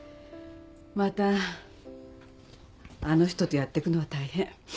またあの人とやってくのは大変。